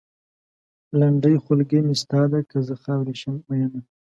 لنډۍ؛ خولګۍ مې ستا ده؛ که زه خاورې شم مينه